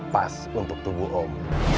pas untuk tubuh om